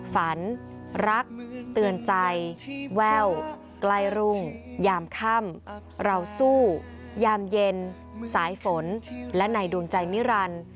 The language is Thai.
ฝันรักเตือนใจแว่วใกล้รุ่งยามค่ำเราสู้ยามเย็นสายฝนและในดวงใจนิรันดิ์